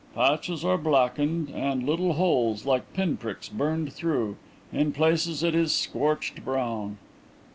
"Patches are blackened, and little holes like pinpricks burned through. In places it is scorched brown."